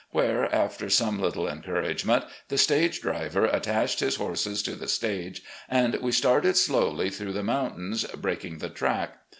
where, after some little encouragement, the stage driver attached his horses to the stage, and we started slowly through the mountains, breaking the track.